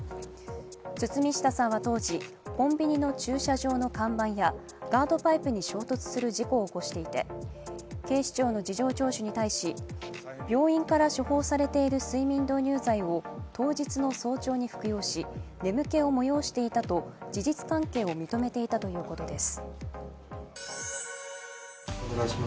堤下さんは当時、コンビニの駐車場の看板やガードパイプの衝突する事故を起こしていて警視庁の事情聴取に対し、病院から処方されている睡眠導入剤を当日の早朝に服用し、眠気を催していたと事実関係を認めていたということです。